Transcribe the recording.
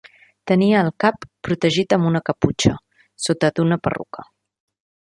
Tenia el cap protegit amb una caputxa, sota d'una perruca.